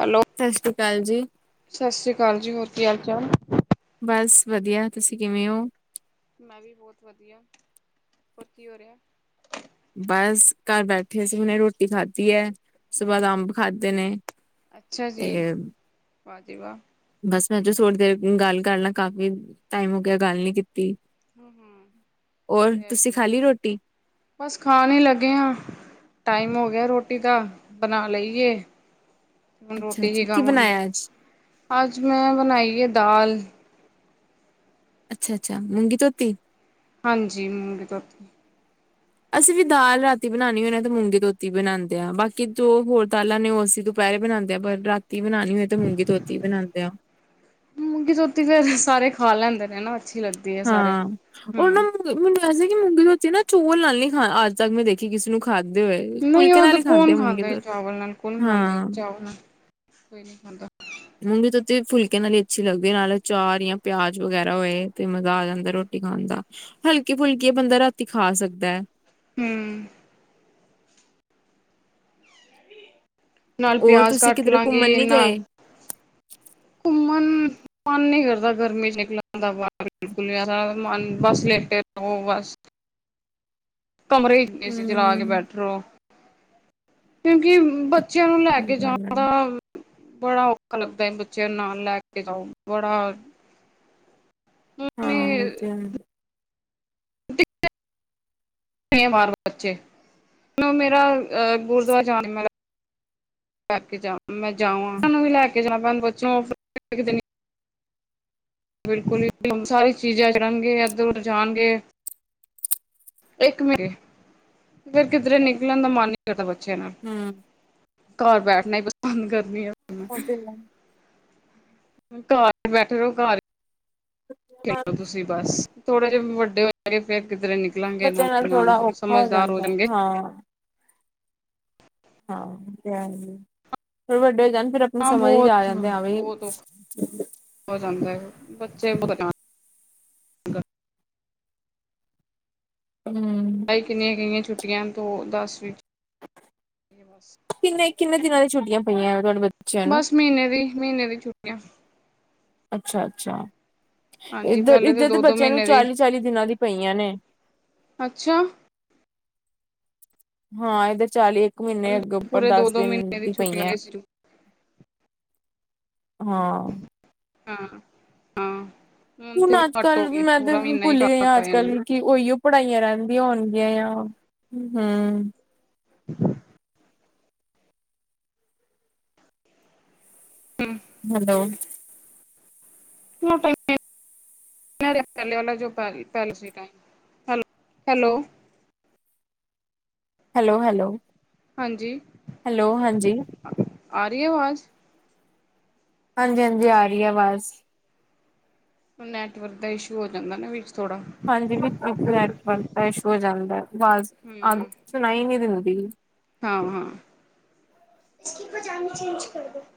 Hello ਸਤਿ ਸ੍ਰੀ ਅਕਾਲ ਜੀ। ਸਤਿ ਸ਼੍ਰੀ ਅਕਾਲ ਜੀ। ਹੋਰ ਕੀ ਹਾਲ- ਚਾਲ। ਬਸ ਵਧੀਆ। ਤੁਸੀਂ ਕਿਵੇਂ ਹੋ? ਮੈਂ ਵੀ ਬਹੁਤ ਵਧੀਆ। ਹੋਰ ਕੀ ਹੋ ਰਿਹਾ? ਬਸ, ਘਰ ਬੈਠੇ ਸੀ। ਹੁਣੇ ਰੋਟੀ ਖਾਧੀ ਹੈ। ਸੁਬਅ ਦਾ ਅੰਬ ਖਾਧੇ ਨੇ। ਅੱਛਾ ਜੀ ਤੇ ਵਾਹ ਜੀੇ ਵਾਹ। ਬਸ ਮੈਂ ਚ' ਥੋੜੀ ਦੇਰ ਗੱਲ ਕਰ ਲਾ। ਕਾਫ਼ੀ ਟਾਈਮ ਹੋ ਗਿਆ ਗੱਲ ਨੀ ਕੀਤੀ। ਹਮ ਹਮ ਹੋਰ, ਤੇ ਹੈ ਤੁਸੀਂ ਹੀ ਹੈ ਖਾ ਲਈ ਰੋਟੀ? ਬਸ ਖਾਣ ਲੱਗੇ ਹਾਂ। ਟਾਈਮ ਹੋ ਗਿਆ ਰੋਟੀ ਦਾ, ਬਣਾ ਲਈਏ। ਹੁਣ ਅੱਛਾ ਰੋਟੀ ਕੀ ਅੱਛਾ ਖਾਵਾਂਗੇ। ਬਣਾਇਆ ਅੱਜ ਅੱਜ ਮੈਂ ਬਣਾਈ ਹੈ ਦਾਲ। ਅੱਛਾ -ਅੱਛਾ। ਮੁੰਗੀ ਧੋਤੀ। ਹਾਂਜੀ। ਮੂੰੜ ਤ ਉਤੇ। [inaudible] ਅਸੀਂ ਵੀ ਦਾਲ ਰਾਤੀ ਬਣਾਉਣੀ ਹੋਦੇ ਤੇ ਮੂੰਗੀ ਧੋਤੀ ਬਣਾਉਂਦੇ ਹਾਂ। ਬਾਕੀ ਜੋ ਹੋਰ ਦਾਲਾਂ ਨੇ ਉਹ ਅਸੀਂ ਦੁਪਹਿਰੇ ਬਣਾਉਂਦੇ ਆ। ਪਰ ਰਾਤੀ ਬਉਣੀ ਹੋਏ ਤੇ ਮੂੰਗੀ ਧੋਤੀ ਬਣਾਉਦੇ ਆ। ਮੂੰਗੀ ਧੋਤੀ ਫੇਰ, ਸਾਰੇ ਖਾ ਲੈਂਦੇ ਨੇ ਨਾ। ਅੱਛੀ ਲੱਗਦੀ ਹੈ ਸਾਰੇ ਹਾਂ। ਉਹਨਾਂ ਹਮ ਮੈਨੂੰ ਵੈਸੇ ਕਿ ਮੂੰਗੀ ਧੋਤੀ ਨਾ ਚੋਲ ਨਾਲੀ ਖਾਣ ਅੱਜ ਤੱਕ ਮੈਂ ਦੇਖੀ ਕਿਸੇ ਨੂੰ ਖਾਦੇ ਹੋਏ। ਨਹੀਂ, ਫੁਲਕੇ ਉਹ ਨਾਲ ਤੇ ਹੀ ਖਾਂਦੇ ਕੌਣ ਮੂੰਗੀ ਖਾਂਦਾ ਧੋਤੀ ਚਾਵਲ ਨਾਲ, ਕੌਣ ਖਾਂਦਾ ਹਾਂ ਚਾਵਲ ਨਾਲ, ਕੋਈ ਨੀ ਖਾਂਦਾ। ਮੂੰਗੀ ਤੇ ਉੱ ਤੇ ਫੁਲਕੇ ਨਾਲ ਹੀ ਅੱਛੀ ਲੱਦੀ ਨਾਲੇ ਚਾਰ ਜਾਂ ਪਿਆਜ ਵਗੈਰਾ ਹੋਏ ਤੇ ਮਜ਼ਾ ਆ ਜਾਂਦਾ ਖਾਣ ਖਾਂਦਾ। ਹਲਕੀ -ਫੁਲਕੀ ਬੰਦਾ ਰਾਤੀ ਖਾ ਸਕਦਾ ਹੈ। ਹੂ ਨਾਲ ਹੋਰ ਪਿਆਜ ਤੁਸੀਂ ਕੱਟ ਕਿਧਰ ਘੁੰਮਣ ਲਾਂਗੇ ਨੀ ਨਾ ਗਏ? ਘੁੰਮਣ [inaudible] ਮਨ ਨੀ ਕਰਦਾ ਗਰਮੀ ਚ' ਨਿਕਲਣ ਦਾ ਬਾਹਰ। ਬਿਲਕੁਲ ਜ਼ ਮਨ ਬਸ ਲੈਟਣ ਨੂੰ ਉਹ ਬਸ। ਕਮਰੇ ਵਿੱਚ ਏ ਸੀ ਚਲਾ ਕੇ ਹਮ ਬੈਠ ਰੋ। ਕਿਉਂਕਿ ਬੱਚਿਆਂ ਨੂੰ ਲੈ ਸਹੀ ਕੇ ਜਾਣ ਗੱਲ ਹੈ ਦਾ। ਬੜਾ ਔਖਾ ਲੱਗਦਾ ਹੈ ਬੱਚਿਆਂ ਨਾਲ ਲੈ ਕੇ ਜਾਓ। ਬੜਾ ਹਾਂ। ਤੇ ਨਹੀ। ਮੇਰੇ ਬਾਰ ਬੱਚੇ। ਮੇਰਾ ਅ ਗੁਰਦੁਆਰਾ ਜਾਣ ਮ ਲੈ ਕੇ ਜਾ, ਮੈਂ ਜਾਵਾ। ਸਾਨੂੰ ਵੀ ਲੈ ਕੇ ਜਾਵਾ। ਬ ਬਿਲਕੁਲ ਹੀ, ਸਾਰੀ ਚੀਜ਼ਾਂ ਚੜਨਗੇ, ਇੱਧਰ- ਉਧਰ ਜਾਣਗੇ। ਇੱਕ ਮਿੰਨਟ, ਫਿਰ ਕਿੱਧਰੇ ਨਿਕਲਣ ਦਾ ਮਨ ਨਹੀਂ ਕਰਦਾ ਬੱਚਿਆਂ ਨਾਲ। ਹਮ ਘਰ ਬੈਠਣਾ ਹੀ ਪਸੰਦ ਕਰਨੀ ਆ। ਅ [unintelligible] ਘਰ ਬੈਠੇ ਰਹੋ ਘਰ। ਹ [inaudible] [unintelligible] ਲੋ ਤੁਸੀਂ ਬਸ, ਥੋੜੇ ਜਹੇ ਵੱਡੇ ਹੋ ਜਾ ਫੇਰ ਕਿੱਧਰੇ ਨਿਕਲ ਨਿਕਲਾਂਗੇ ਨਾਲ ਬੱਚਿਆਂ ਦੇ ਨਾਲ, ਥੋੜਾ ਔਖਾ ਸਮਝਦਾਰ ਹੋ ਜਾਂਦਾ ਜਾਣਗੇ। ਹਾਂ। ਹਾਂ, ਥੋੜੇ ਵੱਡੇ ਹੋ ਜਾਣ ਫਿਰ ਹਾਂ ਸਮਝ ਹੀ ਜਾ ਆ ਬਹੁਤ ਜਾਂਦੇ ਆ ਬ। ਬਹੁਤ ਔਖਾ ਹੋ ਜਾਂਦਾ ਹੈ, ਬੱਚੇ ਬਹੁਤ ਧਦ [unintelligible] ਹਮ। ਕਿੰਨੀਆਂ ਕਿੰਨੀਆਂ ਛੁੱਟੀਆਂ, ਤੋਂ ਦਸ ਵਿੱਚ। ੀ ਬਸ ਕਿੰਨੇੰ ਕਿੰਨੇ ਦਿਨਾਂ ਦੀ ਛੁੱਟੀਆਂ ਪਇਆ ਨੇ ਤੁਹਾਡੇ ਬਚ- ਬਸ ਮਹੀਨੇ ਦੀ ਮਹੀਨੇ ਦੀ ਛੁੱਟੀਆਂ। ਅੱਛਾ ਅੱਛਾ ਹਾਂਜੀ ਇੱਧਰ, ਪਹਿਲੇ ਤਾਂ ਇੱਧਰ ਦੇ ਦੋ ਦੋ ਬੱਚਿਆਂ ਨੂੰ ਮਹੀਨੇ ਦੀ ਚਾਲੀ ਚਾਲੀ ਦਿਨਾਂ ਦੀ ਪਈਆਂ ਨੇ। ਅੱਛਾ। ਹਾਂ ਇਹਧਰ ਚਾਲੀ ਇੱਕ ਮਹੀਨੇ ਅੱ ਉੱਪਰ ਪੂਰੇ ਦੋ ਦਸ ਦੋ ਦਿਨ, ਮਹੀਨੇ ਦੀ ਪਈ ਹੈ। ਛੁੱਟੀਆਂ ਹਾਂ। ਹਾਂ, ਹਾਂ। ਤੇ ਹੁਣ ਅੱਜ ਘੱਟ ਹੋ ਕੱਲ, ਗਈ ਮੈਂ ਤੇ ਪੂਰਾ ਮਹੀਨਾ ਹੀ ਭੁੱਲ ਕਰ ਗਈ ਹਾਂ ਦਿੱਤਾ ਅੱਜ ਇਹਨੂੰ ਕੱਲ। ਕਿ ਉਹੀਓ ਪੜ੍ਹਾਈਆਂ ਰਹਿੰਦੀਆਂ ਹੋਣਗੀਆਂ ਆ, ਹਮ। ਹ [inaudible] ਹਮ ਹੈਲੋ ਮੋਟਾਈ ਦੇ [unintelligible] [unintelligible] ਹੈਲੋ ਹੈਲੋ, ਹੈਲੋ ਹਾਂਜੀ ਹੈਲੋ ਹਾਂਜੀ ਆਰੀ ਆ ਆਵਾਜ਼ ਹਾਂਜੀ ਹਾਂਜੀ ਆ ਰਹੀ ਆ ਆਵਾਜ਼। ਨੈਟਵਰਕ ਦਾ ਇਸ਼ੂ ਹੋ ਜਾਂਦਾ ਨਾ ਵਿੱਚ ਥੋੜ੍ਹਾ। ਹਾਂ ਇੱਕ ਨੈਟਵਰਕ ਇਸ਼ੂ ਹੋ ਜਾਂਦਾ, ਆਵਾਜ਼ ਅੱ ਹਮ ਸੁਣਾਈ ਨੀ ਦਿੰਦੀ। ਹਾਂ ਹਾਂ, [unintelligible] ਚੇਂਜ ਕਰ। [unintelligible]